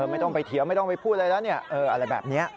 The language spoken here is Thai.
ไม่ต้องไปเถียงไม่ต้องไปพูดอะไรแล้วอะไรแบบนี้